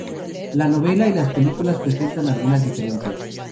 La novela y las películas presentan algunas diferencias.